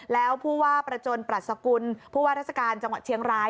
แล้วผู้ว่าประจนปรัชกุลผู้ว่าราชการจังหวัดเชียงราย